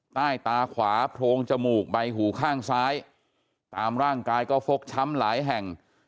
ใต้ตาขวาโพรงจมูกใบหูข้างซ้ายตามร่างกายก็ฟกช้ำหลายแห่ง